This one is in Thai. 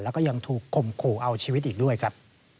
แล้วก็ยังถูกข่มขู่เอาชีวิตอีกด้วยครับ